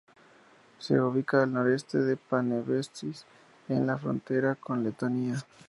Se ubica al noreste de Panevėžys en la frontera con Letonia.